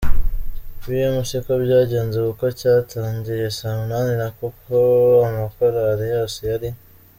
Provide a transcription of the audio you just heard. pm siko byagenze kuko cyatangiye saa munani na kuko amakorari yose yari.